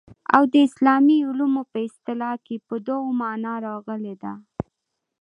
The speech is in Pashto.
او د اسلامي علومو په اصطلاح کي په دوو معناوو راغلې ده.